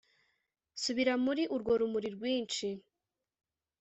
subira muri urwo rumuri rwinshi